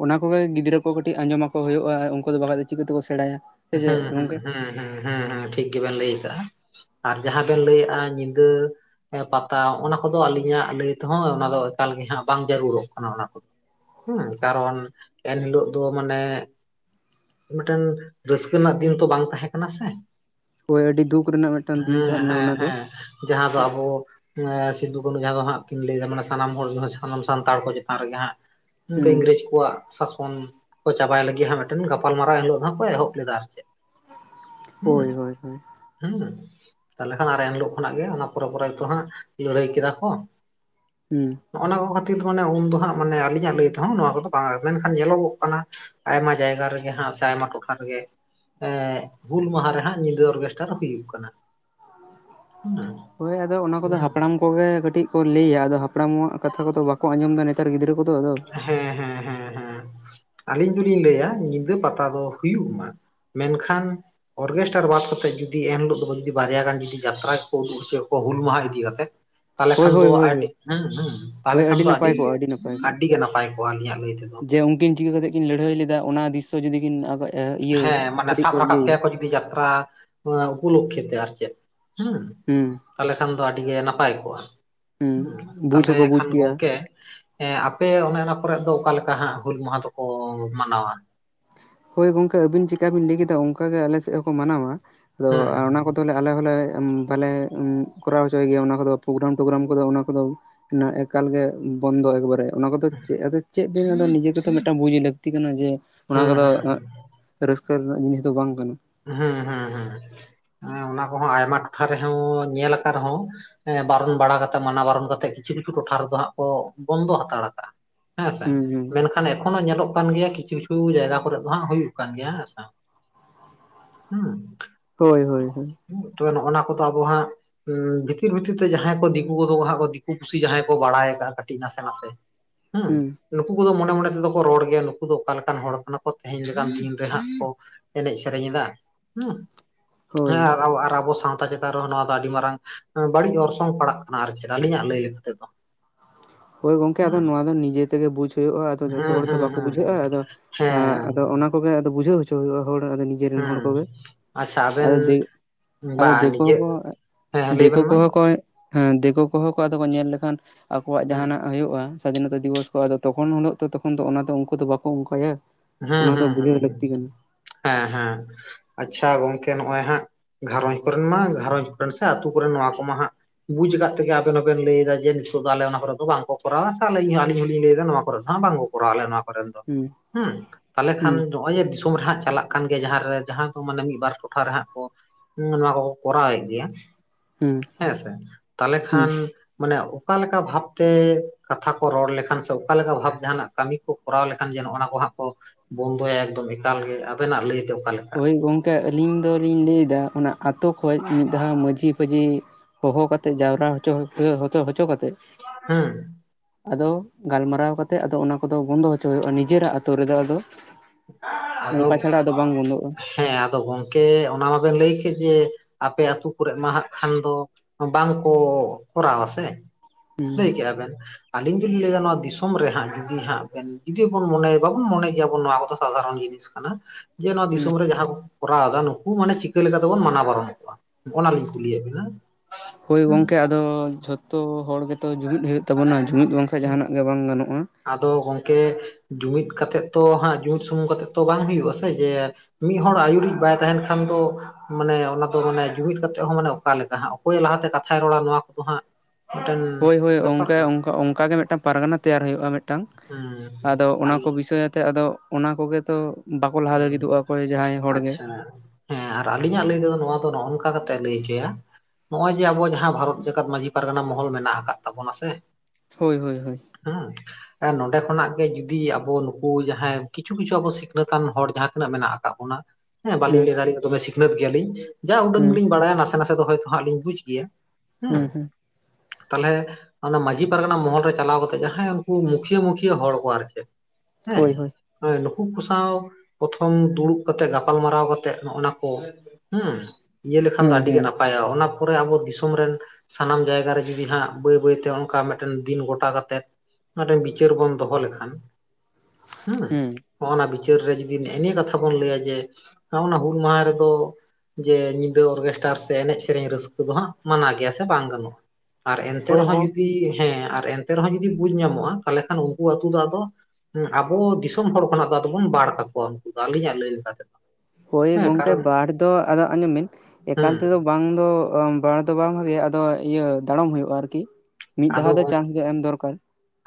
ᱚᱱᱟ ᱠᱚᱜᱮ ᱜᱤᱫᱽᱨᱟᱹ ᱠᱚ ᱠᱟᱹᱴᱤᱡ ᱟᱸᱡᱚᱢ ᱟᱠᱚ ᱦᱩᱭᱩᱜᱼᱟ ᱩᱱᱠᱩ ᱫᱚ ᱵᱟᱠᱷᱟᱡ ᱫᱚ ᱪᱤᱠᱟᱹᱛᱮᱠᱚ ᱥᱮᱬᱟᱭᱟ ᱥᱮ ᱦᱩᱸ ᱪᱮᱫ ᱦᱩᱸ ᱜᱚᱝᱠᱮ ᱦᱩᱸ ᱦᱩᱸ ᱦᱩᱸ ᱦᱩᱸ ᱴᱷᱤᱠ ᱜᱮᱵᱮᱱ ᱞᱟᱹᱭ ᱠᱟᱜᱼᱟ ᱟᱨ ᱡᱟᱦᱟᱸ ᱵᱮᱱ ᱞᱟᱹᱭᱮᱜᱼᱟ ᱧᱤᱫᱟᱹ ᱯᱟᱛᱟ ᱚᱱᱟ ᱠᱚᱫᱚ ᱟᱹᱞᱤᱧᱟᱜ ᱞᱟᱹᱭ ᱛᱮᱦᱚᱸ ᱚᱱᱟ ᱫᱚ ᱮᱠᱟᱞ ᱜᱮ ᱦᱟᱸᱜ ᱵᱟᱝ ᱡᱟᱹᱨᱩᱲᱚᱜ ᱠᱟᱱᱟ ᱚᱱᱟ ᱠᱚᱫᱚ ᱦᱩᱸ ᱠᱟᱨᱚᱱ ᱮᱱ ᱦᱤᱞᱳᱜ ᱫᱚ ᱢᱟᱱᱮ ᱢᱤᱫᱴᱮᱱ ᱨᱟᱹᱥᱠᱟᱹ ᱨᱮᱱᱟᱜ ᱫᱤᱱ ᱛᱚ ᱵᱟᱝ ᱛᱟᱦᱮᱸ ᱠᱟᱱᱟ ᱥᱮ ᱦᱳᱭ ᱟᱹᱰᱤ ᱫᱩᱠ ᱨᱮᱱᱟᱜ ᱢᱤᱫᱴᱟᱝ ᱫᱤᱱ ᱛᱟᱦᱮᱸᱜ ᱞᱮᱱᱟ ᱦᱮᱸ ᱚᱱᱟ ᱫᱚ ᱦᱮᱸ ᱡᱟᱦᱟᱸ ᱫᱚ ᱟᱵᱚ ᱮᱸ ᱥᱤᱫᱩ ᱠᱟᱹᱱᱦᱩ ᱡᱟᱦᱟᱸ ᱫᱚ ᱦᱟᱸᱜ ᱠᱤᱱ ᱞᱟᱹᱭᱫᱟ ᱢᱟᱱᱮ ᱥᱟᱱᱟᱢ ᱦᱚᱲ ᱥᱟᱱᱟᱢ ᱥᱟᱱᱛᱟᱲ ᱠᱚ ᱪᱮᱛᱟᱱ ᱨᱮᱜᱮ ᱦᱟᱸᱜ ᱩᱱᱠᱩ ᱦᱩᱸ ᱤᱝᱨᱮᱡᱽ ᱠᱚᱣᱟᱜ ᱥᱟᱥᱚᱱ ᱠᱚ ᱪᱟᱵᱟᱭ ᱞᱟᱹᱜᱤᱫ ᱦᱟᱸᱜ ᱢᱤᱫᱴᱮᱱ ᱜᱟᱯᱟᱞ ᱢᱟᱨᱟᱣ ᱮᱱᱤᱞᱳᱜ ᱫᱚ ᱦᱟᱸᱜ ᱠᱚ ᱮᱦᱚᱵ ᱞᱮᱫᱟ ᱟᱨ ᱪᱮᱫ ᱦᱩᱸ ᱦᱳᱭ ᱦᱳᱭ ᱦᱳᱭ ᱦᱩᱸ ᱛᱟᱦᱞᱮ ᱠᱷᱟᱱ ᱟᱨ ᱮᱱᱦᱤᱞᱳᱜ ᱠᱷᱚᱱᱟᱜ ᱜᱮ ᱚᱱᱟ ᱯᱚᱨᱮ ᱯᱚᱨᱮ ᱛᱚ ᱦᱟᱸᱜ ᱞᱟᱹᱲᱦᱟᱹᱭ ᱠᱮᱫᱟ ᱠᱚ ᱦᱩᱸ ᱱᱚᱜᱼᱱᱟ ᱱᱚᱣᱟ ᱠᱚ ᱠᱷᱟᱹᱛᱤᱨ ᱢᱟᱱᱮ ᱩᱱ ᱫᱚ ᱦᱟᱸᱜ ᱢᱟᱱᱮ ᱟᱹᱞᱤᱧᱟᱜ ᱞᱟᱹᱭ ᱛᱮᱦᱚᱸ ᱱᱚᱣᱟ ᱠᱚᱫᱚ ᱵᱟᱝ ᱢᱮᱱᱠᱷᱟᱱ ᱧᱮᱞᱚᱜᱚᱜ ᱠᱟᱱᱟ ᱟᱭᱢᱟ ᱡᱟᱭᱜᱟ ᱨᱮᱜᱮ ᱦᱟᱸᱜ ᱥᱮ ᱟᱭᱢᱟ ᱴᱚᱴᱷᱟ ᱨᱮᱜᱮ ᱦᱩᱞ ᱢᱟᱦᱟ ᱨᱮᱦᱟᱸᱜ ᱧᱤᱫᱟᱹ ᱚᱨᱜᱮᱥᱴᱟᱨ ᱦᱩᱭᱩᱜ ᱠᱟᱱᱟ ᱦᱮᱸ ᱦᱳᱭ ᱟᱫᱚ ᱚᱱᱟ ᱠᱚᱫᱚ ᱦᱮᱸ ᱦᱟᱯᱲᱟᱢ ᱠᱚᱜᱮ ᱠᱟᱹᱴᱤᱡ ᱠᱚ ᱞᱟᱹᱭᱟ ᱟᱫᱚ ᱦᱟᱯᱲᱟᱢᱟᱜ ᱠᱟᱛᱷᱟ ᱠᱚᱫᱚ ᱵᱟᱠᱚ ᱟᱸᱡᱚᱢ ᱮᱫᱟ ᱱᱮ ᱛᱟᱨ ᱜᱤᱫᱽᱨᱟᱹ ᱠᱚᱫᱚ ᱟᱫᱚ ᱦᱮᱸ ᱦᱮᱸ ᱦᱮᱸ ᱦᱮᱸ ᱟᱹᱞᱤᱧ ᱫᱚᱞᱤᱧ ᱞᱟᱹᱭᱟ ᱧᱤᱫᱟᱹ ᱯᱟᱛᱟ ᱫᱚ ᱦᱩᱭᱩᱜ ᱢᱟ ᱢᱮᱱᱠᱷᱟᱱ ᱚᱨᱠᱮᱥᱴᱟᱨ ᱵᱟᱫ ᱠᱟᱛᱮ ᱡᱩᱫᱤ ᱮᱱᱦᱤᱞᱳᱜ ᱫᱚ ᱡᱩᱫᱤ ᱵᱟᱨᱭᱟ ᱜᱟᱱ ᱡᱩᱫᱤ ᱡᱟᱛᱨᱟ ᱜᱮᱠᱚ ᱩᱫᱩᱜ ᱦᱚᱪᱚᱭᱮᱫ ᱠᱚᱣᱟ ᱦᱩᱞ ᱢᱟᱦᱟ ᱤᱫᱤ ᱠᱟᱛᱮᱫ ᱛᱟᱦᱚᱞᱮ ᱦᱳᱭ ᱠᱷᱟᱱ ᱫᱚ ᱦᱳᱭ ᱦᱳᱭ ᱟᱹᱰᱤ ᱦᱩᱸ ᱦᱩᱹ ᱛᱟᱦᱞᱮ ᱦᱳᱭ ᱠᱷᱟᱱ ᱫᱚ ᱟᱹᱰᱤ ᱱᱟᱯᱟᱭ ᱠᱚᱜᱼᱟ ᱜᱮ ᱱᱟᱯᱟᱭ ᱠᱚᱜᱼᱟ ᱟᱹᱰᱤᱜ ᱜᱮ ᱱᱟᱯᱟᱭ ᱠᱚᱜᱼᱟ ᱤᱧᱟᱹᱜ ᱞᱟᱹᱭ ᱛᱮᱫᱚ ᱡᱮ ᱩᱱᱠᱤᱱ ᱪᱤᱠᱟᱹ ᱠᱟ ᱠᱟᱛᱮᱫ ᱠᱤᱱ ᱞᱟᱹᱲᱦᱟᱹᱭ ᱞᱮᱫᱟ ᱚᱱᱟ ᱫᱤᱥᱥᱚ ᱡᱩᱫᱤ ᱠᱤᱱ [unintelligible] ᱦᱮᱸ ᱢᱟᱱᱮ ᱠᱟᱹᱴᱤᱡ ᱥᱟᱵ ᱨᱟᱠᱟᱵ ᱤᱭᱟᱹᱭᱟ ᱠᱮᱭᱟ ᱠᱚ ᱡᱩᱫᱤ ᱡᱟᱛᱨᱟ ᱩᱯᱚᱞᱚᱠᱠᱷᱮ ᱛᱮ ᱟᱨ ᱪᱮᱫ ᱦᱮᱸ ᱦᱩᱸ ᱛᱟᱦᱚᱞᱮ ᱠᱷᱟᱱ ᱫᱚ ᱟᱹᱰᱤᱜᱮ ᱱᱟᱯᱟᱭ ᱠᱚᱜᱼᱟ ᱦᱩᱸ ᱵᱩᱡᱽ ᱛᱟᱦᱞᱮ ᱦᱚᱸᱠᱚ ᱵᱩᱡᱽ ᱠᱷᱟᱱ ᱠᱮᱭᱟ ᱜᱚᱝᱠᱮ ᱦᱮᱸ ᱟᱯᱮ ᱚᱱᱮ ᱚᱱᱟ ᱠᱚᱨᱮ ᱫᱚ ᱚᱠᱟ ᱞᱮᱠᱟ ᱦᱟᱜ ᱦᱩᱞ ᱢᱟᱦᱟ ᱫᱚᱠᱚ ᱢᱟᱱᱟᱣᱟ ᱦᱳᱭ ᱜᱚᱝᱠᱮ ᱟᱵᱤᱱ ᱪᱮᱠᱟ ᱵᱤᱱ ᱞᱟᱹᱭ ᱠᱮᱫᱟ ᱚᱱᱠᱟᱜ ᱜᱮ ᱟᱞᱮ ᱥᱮᱫ ᱦᱚᱸᱠᱚ ᱢᱟᱱᱟᱣᱟ ᱟᱫᱚ ᱦᱩᱸ ᱚᱱᱟ ᱠᱚ ᱫᱚᱞᱮ ᱟᱞᱮ ᱦᱚᱸᱞᱮ ᱵᱟᱞᱮ ᱠᱚᱨᱟᱣ ᱦᱚᱪᱚᱭ ᱜᱮᱭᱟ ᱚᱱᱟ ᱠᱚᱫᱚ ᱯᱨᱳᱜᱨᱟᱢ ᱴᱳᱜᱨᱟᱢ ᱠᱚᱫᱚ ᱚᱱᱟ ᱠᱚᱫᱚ ᱮᱠᱟᱞ ᱜᱮ ᱵᱚᱱᱫᱚ ᱮᱠᱵᱟᱨᱮ ᱚᱱᱟ ᱠᱚᱫᱚ ᱪᱮᱫ ᱟᱫᱚ ᱪᱮᱫ ᱵᱤᱱ ᱟᱫᱚ ᱱᱤᱡᱮᱛᱮ ᱛᱚ ᱢᱤᱫᱴᱟᱝ ᱵᱩᱡᱽ ᱞᱟᱹᱠᱛᱤ ᱠᱟᱱᱟ ᱡᱮ ᱚᱱᱟ ᱦᱩᱸ ᱠᱚᱫᱚ ᱦᱩᱸ ᱨᱟᱹᱥᱠᱟᱹ ᱨᱮᱱᱟᱜ ᱡᱤᱱᱤᱥ ᱫᱚ ᱵᱟᱝ ᱠᱟᱱᱟ ᱦᱮᱸ ᱦᱮᱸ ᱦᱮᱸ ᱚᱱᱟ ᱠᱚᱦᱚᱸ ᱟᱭᱢᱟ ᱴᱚᱴᱷᱟ ᱨᱮᱦᱚᱸ ᱧᱮᱞ ᱟᱠᱟᱱ ᱨᱮᱦᱚᱸ ᱵᱟᱨᱚᱱ ᱵᱟᱲᱟ ᱠᱟᱛᱮᱜ ᱢᱟᱱᱟ ᱵᱟᱨᱚᱱ ᱠᱟᱛᱮ ᱠᱤᱪᱷᱩ ᱠᱤᱪᱷᱩ ᱴᱚᱴᱷᱟ ᱨᱮᱫᱚ ᱦᱟᱜ ᱠᱚ ᱵᱚᱱᱫᱚ ᱦᱟᱛᱟᱲ ᱠᱟᱜᱼᱟ ᱦᱮᱸᱥᱮ ᱦᱩᱸ ᱦᱩᱸ ᱢᱮᱱᱠᱷᱟᱱ ᱮᱠᱷᱚᱱᱳ ᱧᱮᱞᱚᱜ ᱠᱟᱱ ᱜᱮᱭᱟ ᱠᱤᱪᱷᱩ ᱠᱤᱪᱷᱩ ᱡᱟᱭᱜᱟ ᱠᱚᱨᱮ ᱫᱚ ᱦᱟᱜ ᱦᱩᱭᱩᱜ ᱠᱟᱱ ᱜᱮᱭᱟ ᱦᱮᱸᱥᱮ ᱦᱩᱸ ᱦᱳᱭ ᱦᱳᱭ ᱦᱳᱭ ᱛᱚᱵᱮ ᱱᱚᱜᱼᱱᱟ ᱠᱚᱫᱚ ᱟᱵᱚ ᱦᱟᱸᱜ ᱦᱩᱸ ᱵᱷᱤᱛᱤᱨ ᱵᱷᱤᱛᱤᱨ ᱛᱮ ᱡᱟᱦᱟᱸᱭ ᱠᱚ ᱫᱤᱠᱩ ᱠᱚᱫᱚ ᱦᱟᱸᱜ ᱠᱚ ᱫᱤᱠᱩ ᱯᱩᱥᱤ ᱡᱟᱦᱟᱸᱭ ᱠᱚ ᱵᱟᱲᱟᱭ ᱠᱟᱜᱼᱟ ᱠᱟᱹᱴᱤᱡ ᱱᱟᱥᱮ ᱱᱟᱥᱮ [inaudible] ᱦᱩᱸ ᱱᱩᱠᱩ ᱠᱚᱫᱚ ᱢᱚᱱᱮ ᱢᱚᱱᱮ ᱛᱮᱫᱚ ᱠᱚ ᱨᱚᱲ ᱜᱮᱭᱟ ᱱᱩᱠᱩ ᱫᱚ ᱚᱠᱟ ᱞᱮᱠᱟᱱ ᱦᱚᱲ ᱠᱟᱱᱟ ᱠᱚ ᱛᱮᱦᱮᱧ ᱞᱮᱠᱟᱱ ᱫᱤᱱ ᱨᱮᱦᱟᱸᱜ ᱠᱚ ᱮᱱᱮᱡ ᱥᱮ ᱥᱮᱨᱮᱧ ᱮᱫᱟ ᱦᱮᱸ ᱦᱳᱭ ᱟᱨ ᱟᱵᱳ ᱥᱟᱶ ᱛᱟ ᱪᱮᱛᱟᱱ ᱨᱮᱦᱚᱸ ᱱᱚᱣᱟ ᱫᱚ ᱟᱹᱰᱤ ᱢᱟᱨᱟᱝ ᱵᱟᱹᱲᱤᱡ ᱚᱨᱥᱚᱝ ᱯᱟᱲᱟᱜ ᱠᱟᱱᱟ ᱟᱨ ᱪᱮᱫ ᱟᱹᱞᱤᱧᱟᱜ ᱞᱟᱹᱭ ᱞᱮᱠᱟ ᱛᱮᱫᱚ ᱦᱳᱭ ᱜᱚᱝᱠᱮ ᱟᱫᱚ ᱦᱮᱸ ᱱᱚᱣᱟ ᱫᱚ ᱱᱤᱡᱮ ᱛᱮᱜᱮ ᱵᱩᱡ ᱦᱩᱭᱩᱜᱼᱟ ᱟᱫᱚ ᱡᱷᱚᱛᱚ ᱦᱮᱸ ᱦᱚᱲ ᱛᱚ ᱦᱮᱸ ᱵᱟᱠᱚ ᱵᱩᱡᱷᱟᱹᱜᱼᱟ ᱦᱮᱸ ᱟᱫᱚ ᱦᱮᱸ ᱟᱫᱚ ᱚᱱᱟ ᱠᱚ ᱜᱮ ᱟᱫᱚ ᱵᱩᱡᱷᱟᱹᱣ ᱦᱚᱪᱚ ᱦᱩᱭᱩᱜᱼᱟ ᱦᱚᱲ ᱟᱫᱚ ᱱᱤᱡᱮᱨᱮᱱ ᱦᱚᱲ ᱦᱮᱸ ᱠᱚᱜᱮ ᱟᱪᱪᱷᱟ ᱟᱵᱮᱱ ᱟᱫᱚ ᱫᱮ ᱵᱟ ᱟᱫᱚ ᱫᱤᱠᱩ ᱱᱤᱡᱮ ᱠᱚ, ᱦᱮᱸ ᱞᱟᱹᱭ ᱫᱮᱠᱩ ᱵᱮᱱ ᱢᱟ ᱠᱚᱦᱚᱸ ᱠᱚ, ᱦᱮᱸ ᱫᱤᱠᱩ ᱠᱚᱦᱚᱸ ᱠᱚ ᱟᱫᱚ ᱠᱚ ᱧᱮᱞ ᱞᱮᱠᱷᱟᱱ ᱟᱠᱚᱣᱟᱜ ᱦᱮᱸ ᱡᱟᱦᱟᱸ ᱱᱟᱜ ᱦᱩᱭᱩᱜᱼᱟ ᱥᱟᱫᱷᱤᱱᱚᱛᱟ ᱫᱤᱵᱚᱥ ᱠᱚ ᱟᱫᱚ ᱛᱚᱠᱷᱚᱱ ᱦᱤᱞᱳᱜ ᱛᱚᱠᱷᱚᱱ ᱫᱚ ᱚᱱᱟ ᱩᱱᱠᱩ ᱫᱚ ᱵᱟᱠᱚ ᱚᱱᱠᱟᱭᱟ ᱦᱮᱸ ᱚᱱᱟ ᱫᱚ ᱦᱮᱸ ᱵᱩᱡᱷᱟᱹᱣ ᱦᱮᱸ ᱞᱟᱹᱠᱛᱤ ᱠᱟᱱᱟ ᱦᱮᱸ ᱦᱮᱸ ᱟᱪᱪᱷᱟ ᱜᱚᱝᱠᱮ ᱱᱚᱜᱼᱚᱭ ᱦᱟᱸᱜ ᱜᱷᱟᱨᱚᱸᱡᱽ ᱠᱚᱨᱮᱱ ᱢᱟ ᱜᱷᱟᱨᱚᱚᱸᱡᱽ ᱠᱚᱨᱮᱱ ᱥᱮ ᱟᱹᱛᱩ ᱠᱚᱨᱮᱱ ᱱᱚᱣᱟ ᱠᱚᱢᱟ ᱦᱟᱸᱜ ᱵᱩᱡᱽ ᱟᱠᱟᱫ ᱛᱮᱜᱮ ᱟᱵᱮᱱ ᱦᱚᱸᱵᱮᱱ ᱞᱟᱹᱭᱮᱫᱟ ᱡᱮ ᱱᱤᱛᱚᱜ ᱫᱚ ᱟᱞᱮ ᱚᱱᱟ ᱠᱚᱨᱮ ᱫᱚ ᱵᱟᱝ ᱠᱚᱨᱟᱣᱟ ᱥᱮ ᱟᱧ ᱟᱹᱞᱤᱧ ᱦᱚᱸᱞᱤᱧ ᱞᱟᱹᱭᱫᱟ ᱱᱚᱣᱟ ᱠᱚᱨᱮ ᱫᱚ ᱦᱟᱜ ᱵᱟᱝ ᱠᱚ ᱠᱚᱨᱟᱣ ᱟᱞᱮ ᱱᱚᱣᱟ ᱠᱚᱨᱮᱱ ᱫᱚ ᱦᱩᱸ ᱛᱟᱦᱞᱮ ᱠᱷᱟᱱ ᱦᱩᱸ ᱱᱚᱜᱼᱚᱭ ᱡᱮ ᱫᱤᱥᱚᱢ ᱨᱮᱦᱟᱸᱜ ᱪᱟᱞᱟᱜ ᱠᱟᱱ ᱜᱮ ᱡᱟᱦᱟᱸ ᱨᱮ ᱡᱟᱦᱟᱸ ᱫᱚ ᱢᱟᱱᱮ ᱢᱤᱫ ᱵᱟᱨ ᱴᱚᱴᱷᱟ ᱨᱮ ᱦᱟᱸᱜ ᱠᱚ ᱦ [unintelligible] ᱱᱚᱣᱟ ᱠᱚᱠᱚ ᱠᱚᱨᱟᱣᱮᱫ ᱜᱮᱭᱟ ᱦᱮᱸ ᱦᱮᱸ ᱥᱮ ᱛᱟᱦᱚᱞᱮ ᱠᱷᱟᱱ ᱢᱟᱱᱮ ᱚᱠᱟ ᱞᱮᱠᱟ ᱵᱷᱟᱵᱛᱮ ᱠᱟᱛᱷᱟ ᱠᱚ ᱨᱚᱲ ᱞᱮᱠᱷᱟᱱ ᱥᱮ ᱚᱠᱟ ᱞᱮᱠᱟ ᱵᱷᱟᱵᱽ ᱡᱟᱦᱟᱱᱟᱜ ᱠᱟᱹᱢᱤ ᱠᱚ ᱠᱚᱨᱟᱣ ᱞᱮᱠᱷᱟᱱ ᱡᱮ ᱚᱱᱟ ᱠᱚ ᱦᱟᱸᱜ ᱠᱚ ᱵᱚᱱᱫᱚᱭᱟ ᱮᱠᱫᱚᱢ ᱮᱠᱟᱞ ᱜᱮ ᱟᱵᱮᱱᱟᱜ ᱞᱟᱹᱭ ᱛᱮ ᱚᱠᱟ ᱞᱮᱠᱟ ᱦᱳᱭ ᱜᱚᱝᱠᱮ ᱟᱹᱞᱤᱧ ᱫᱚᱞᱤᱧ ᱞᱟᱹᱭᱮᱫᱟ ᱚᱱᱟ ᱟᱛᱳ ᱠᱷᱚᱱ ᱢᱤᱫ ᱫᱷᱟᱣ ᱢᱟᱺᱡᱷᱤ ᱯᱟᱹᱡᱷᱤ ᱦᱚᱦᱚ ᱠᱟᱛᱮᱫ ᱡᱟᱣᱨᱟ ᱦᱚᱪᱚ ᱦᱚᱚ ᱦᱚᱪᱚ ᱠᱟᱛᱮ ᱦᱮᱸ ᱟᱫᱚ ᱜᱟᱞᱢᱟᱨᱟᱣ ᱠᱟᱛᱮᱜ ᱟᱫᱚ ᱚᱱᱟ ᱠᱚᱫᱚ ᱵᱚᱱᱫᱚ ᱦᱚᱪᱚ ᱦᱩᱭᱩᱜᱼᱟ ᱱᱤᱡᱮᱨᱟᱜ ᱟᱛᱳ ᱨᱮᱫᱚ ᱟᱫᱚ ᱱᱚᱝᱠᱟ ᱪᱷᱟᱲᱟ ᱟᱫᱚ ᱵᱟᱝ ᱵᱚᱱᱫᱚᱜᱼᱟ ᱦᱮᱸ ᱟᱫᱚ ᱜᱚᱝᱠᱮ ᱚᱱᱟ ᱢᱟᱵᱮᱱ ᱞᱟᱹᱭ ᱠᱮᱫ ᱡᱮ ᱟᱯᱮ ᱟᱛᱩ ᱠᱚᱨᱮ ᱢᱟ ᱦᱟᱸᱜ ᱠᱷᱟᱱ ᱫᱚ ᱵᱟᱝ ᱠᱚ ᱠᱚᱨᱟᱣᱟ ᱥᱮ ᱞᱟᱹᱭ ᱦᱩᱸ ᱠᱮᱜᱼᱟ ᱵᱮᱱ ᱟᱞᱤᱧ ᱫᱚᱞᱤᱧ ᱞᱟᱹᱭᱟ ᱱᱚᱣᱟ ᱫᱤᱥᱚᱢ ᱨᱮ ᱦᱟᱸᱜ ᱡᱩᱫᱤ ᱦᱟᱸᱜ ᱡᱩᱫᱤᱵᱚᱱ ᱢᱚᱱᱮᱭᱟ ᱵᱟᱵᱚᱱ ᱢᱚᱱᱮᱭ ᱜᱮᱭᱟᱵᱚᱱ ᱱᱚᱣᱟ ᱠᱚᱫᱚ ᱥᱟᱫᱷᱟᱨᱚᱱ ᱡᱤᱱᱤᱥ ᱡᱮ ᱱᱚᱣᱟ ᱦᱩᱸ ᱫᱤᱥᱚᱢ ᱨᱮ ᱡᱟᱦᱟᱸ ᱠᱚ ᱱᱚᱣᱟ ᱟᱫᱟᱱ ᱠᱩ ᱢᱟᱱᱮ ᱪᱤᱠᱟᱹ ᱞᱮᱠᱟᱛᱮᱵᱚᱱ ᱢᱟᱱᱟᱣ ᱵᱟᱨᱚᱱ ᱠᱚᱣᱟ ᱚᱱᱟ ᱞᱤᱧ ᱠᱩᱞᱤᱭᱮᱫ ᱵᱤᱱᱟ ᱦᱳᱭ ᱜᱚᱝᱠᱮ ᱟᱫᱚ ᱡᱷᱚᱛᱚ ᱦᱚᱲ ᱜᱮᱛᱚ ᱡᱩᱢᱤᱫ ᱦᱩᱭᱩᱜ ᱛᱟᱵᱚᱱᱟ ᱡᱩᱢᱤᱫ ᱜᱚᱝᱠᱟᱱ ᱡᱟᱦᱱᱟᱜ ᱜᱮ ᱵᱟᱝ ᱜᱟᱱᱚᱜᱼᱟ ᱟᱫᱚ ᱜᱚᱝᱠᱮ ᱡᱩᱢᱤᱫ ᱠᱟᱛᱮᱜ ᱛᱚ ᱦᱟᱸᱜ ᱡᱩᱢᱤᱫ ᱥᱩᱢᱩᱝ ᱠᱟᱛᱮᱜ ᱛᱚ ᱵᱟᱝ ᱦᱩᱭᱩᱜᱼᱟ ᱥᱮ ᱡᱮ ᱢᱤᱫ ᱦᱚᱲ ᱟᱹᱭᱩᱨᱤᱡ ᱵᱟᱭ ᱛᱟᱦᱮᱱ ᱠᱷᱟᱱ ᱫᱚ ᱢᱟᱱᱮ ᱚᱱᱟ ᱫᱚ ᱢᱟᱱᱮ ᱡᱩᱢᱤᱫ ᱠᱟᱛᱮᱜ ᱦᱚᱸ ᱢᱟᱱᱮ ᱚᱠᱟ ᱞᱮᱠᱟ ᱦᱟᱸᱜ ᱚᱠᱚᱭ ᱞᱟᱦᱟᱛᱮ ᱠᱟᱛᱷᱟᱭ ᱨᱚᱲᱟ ᱱᱚᱣᱟ ᱠᱚᱫᱚ ᱦᱟᱸᱜ ᱢᱤᱫᱴᱮᱱ ᱦᱳᱭ ᱦᱳᱭ ᱵᱮᱯᱟᱨ ᱚᱱᱠᱟ ᱠᱟᱱᱟ ᱚᱱᱠᱟ ᱚᱱᱠᱟ ᱜᱮ ᱢᱤᱫᱴᱟᱝ ᱯᱟᱨᱜᱟᱱᱟ ᱛᱮᱭᱟᱨ ᱦᱩᱭᱩᱜᱼᱟ ᱢᱤᱫᱴᱟᱝ ᱦᱩᱸ ᱟᱫᱚ ᱚᱱᱟ ᱠᱚ ᱵᱤᱥᱚᱭ ᱟᱛᱮ ᱟᱫᱚ ᱚᱱᱟ ᱠᱚᱜᱮ ᱛᱚ ᱵᱟᱠᱚ ᱞᱟᱦᱟ ᱞᱟᱹᱜᱤᱫᱚᱜᱼᱟ ᱚᱠᱚᱭ ᱡᱟᱦᱟᱸᱭ ᱦᱚᱲ ᱜᱮ ᱦᱮᱸ ᱦᱮᱸ ᱟᱨ ᱟᱞᱤᱧᱟᱜ ᱞᱟᱹᱭ ᱛᱮᱫᱚ ᱱᱚᱣᱟ ᱫᱚ ᱱᱚᱜᱼᱚ ᱱᱚᱝᱠᱟ ᱠᱟᱛᱮ ᱞᱟᱹᱭ ᱦᱚᱪᱚᱭᱟ ᱱᱚᱜ ᱚᱭ ᱡᱮ ᱟᱵᱚᱣᱟᱜ ᱡᱟᱦᱟᱸ ᱵᱷᱟᱨᱚᱛ ᱡᱟᱠᱟᱛ ᱢᱟᱹᱡᱷᱤ ᱯᱟᱨᱜᱟᱱᱟ ᱢᱚᱦᱚᱞ ᱢᱮᱱᱟᱜ ᱟᱠᱟᱫ ᱛᱟᱵᱚᱱᱟ ᱥᱮ ᱦᱳᱭ ᱦᱳᱭ ᱦᱳᱭ ᱦᱮᱸ ᱱᱚᱸᱰᱮ ᱠᱷᱚᱱᱟᱜ ᱜᱮ ᱡᱩᱫᱤ ᱟᱵᱚ ᱱᱩᱠᱩ ᱡᱟᱦᱟᱸᱭ ᱠᱤᱪᱷᱩ ᱠᱤᱪᱷᱩ ᱟᱵᱚ ᱥᱤᱠᱷᱱᱟᱹᱛ [inaudible] ᱦᱚᱲ ᱡᱟᱦᱟᱸ ᱛᱤᱱᱟᱹᱜ ᱢᱮᱱᱟᱜ ᱟᱠᱟᱫ ᱵᱚᱱᱟ ᱦᱮᱸ ᱦᱩᱸ ᱵᱟᱹᱞᱤᱧ ᱞᱟᱹᱭ ᱫᱟᱞᱤᱧ ᱫᱚᱢᱮ ᱥᱤᱠᱷᱱᱟᱹᱛ ᱜᱮᱭᱟᱞᱤᱧ ᱡᱟ ᱩᱰᱟᱹᱝ ᱦᱩᱸ ᱞᱤᱧ ᱵᱟᱲᱟᱭᱟ ᱱᱟᱥᱮ ᱱᱟᱥᱮ ᱫᱚ ᱦᱚᱭᱛᱚ ᱦᱟᱸᱜ ᱞᱤᱧ ᱵᱩᱡ ᱜᱮᱭᱟ ᱦᱮᱸ ᱦᱩᱸ ᱦᱩᱸ ᱛᱟᱦᱚᱞᱮ ᱚᱱᱟ ᱢᱟᱹᱡᱷᱤ ᱯᱟᱨᱜᱟᱱᱟ ᱢᱚᱦᱚᱞ ᱨᱮ ᱪᱟᱞᱟᱣ ᱠᱟᱛᱮᱜ ᱡᱟᱦᱟᱸᱭ ᱩᱱᱠᱩ ᱢᱩᱠᱷᱤᱭᱟᱹ ᱢᱩᱠᱷᱤᱭᱟᱹ ᱦᱚᱲ ᱠᱚ ᱟᱨᱠᱤ ᱦᱮᱸ ᱦᱳᱭ ᱱᱩᱠᱩ ᱠᱩᱥᱤ ᱥᱟᱶ ᱯᱨᱚᱛᱷᱚᱢ ᱫᱩᱲᱩᱵ ᱠᱟᱛᱮᱜ ᱜᱟᱯᱟᱞᱢᱟᱨᱟᱣ ᱠᱟᱛᱮᱜ ᱱᱚᱜᱼᱚ ᱱᱟ ᱠᱚ ᱦᱩᱸ ᱤᱭᱟᱹ ᱞᱮᱠᱷᱟᱱ ᱫᱚ ᱦᱩᱸ ᱟᱹᱰᱤ ᱜᱮ ᱦᱩᱸ ᱱᱟᱯᱟᱭᱚᱜᱼᱟ ᱚᱱᱟ ᱯᱚᱨᱮ ᱟᱵᱚ ᱫᱤᱥᱚᱢ ᱨᱮᱱ ᱥᱟᱱᱟᱢ ᱡᱟᱭᱜᱟ ᱨᱮ ᱡᱩᱫᱤ ᱦᱟᱸᱜ ᱵᱟᱹᱭ ᱵᱟᱹᱭ ᱛᱮ ᱚᱱᱠᱟ ᱢᱤᱫᱴᱮᱱ ᱫᱤᱱ ᱜᱚᱴᱟ ᱠᱟᱛᱮᱫ ᱢᱤᱫᱴᱮᱱ ᱵᱤᱪᱟᱹᱨ ᱵᱚᱱ ᱫᱚᱦᱚ ᱞᱮᱠᱷᱟᱱ ᱦᱮᱸ ᱦᱩᱸ ᱱᱚᱜᱚᱱᱟ ᱵᱤᱪᱟᱹᱨ ᱵᱤᱪᱟᱹᱨ ᱨᱮ ᱡᱩᱫᱤ ᱱᱮᱜᱮᱱᱤᱭᱟᱹ ᱠᱟᱛᱷᱟ ᱵᱚᱱ ᱞᱟᱹᱭᱟ ᱡᱮ ᱚᱱᱟ ᱦᱩᱞ ᱢᱟᱦᱟ ᱨᱮᱫᱚ ᱡᱮ ᱧᱤᱫᱟᱹ ᱚᱨᱠᱮᱥᱴᱟᱨ ᱥᱮ ᱮᱱᱮᱡ ᱥᱮᱨᱮᱧ ᱨᱟᱹᱥᱠᱟᱹ ᱫᱚ ᱦᱟᱸᱜ ᱢᱟᱱᱟ ᱜᱮᱭᱟ ᱥᱮ ᱵᱟᱝ ᱜᱟᱱᱚᱜᱼᱟ ᱟᱨ ᱮᱱᱛᱮ ᱦᱳᱭ ᱨᱮᱦᱚᱸ ᱦᱳ ᱡᱩᱫᱤ ᱦᱮᱸ ᱟᱨ ᱮᱱᱛᱮ ᱨᱮᱦᱚᱸ ᱡᱩᱫᱤ ᱵᱩᱡᱽ ᱧᱟᱢᱚᱜᱼᱟ ᱛᱟᱦᱚᱞᱮ ᱠᱷᱟᱱ ᱩᱱᱠᱩ ᱟᱛᱩ ᱫᱚ ᱟᱫᱚ ᱟᱵᱚ ᱫᱤᱥᱚᱢ ᱦᱚᱲ ᱠᱷᱚᱱᱟᱜ ᱫᱚ ᱟᱫᱚ ᱵᱚᱱ ᱵᱟᱲ ᱠᱟᱠᱚᱣᱟ ᱩᱱᱠᱩ ᱫᱚ ᱟᱹᱞᱤᱧᱟᱜ ᱞᱟᱹᱭ ᱞᱮᱠᱟᱛᱮ ᱫᱚ ᱦᱳᱭ ᱜᱚᱝᱠᱮ ᱵᱟᱨ ᱫᱚ ᱟᱫᱚ ᱟᱸᱡᱚᱢ ᱵᱤᱱ ᱦᱮᱸ ᱮᱠᱟᱞ ᱛᱮᱫᱚ ᱵᱟᱝ ᱫᱚ ᱵᱟᱲ ᱫᱚ ᱵᱟᱝ ᱵᱷᱟᱜᱮᱭᱟ ᱟᱫᱚ ᱤᱭᱟᱹ ᱫᱟᱲᱚᱢ ᱦᱩᱭᱩᱜᱼᱟ ᱟᱨᱠᱤ ᱢᱤᱫ ᱟᱫᱚ ᱫᱷᱟᱣ ᱫᱚ ᱜᱚᱝᱠᱮ ᱪᱟᱱᱥ ᱫᱚ ᱮᱢ ᱫᱚᱨᱠᱟᱨ